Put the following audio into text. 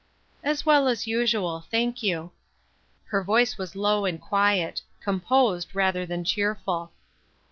" As well as usual, thank you." Her voice was low and quiet ; composed, rather than cheerful.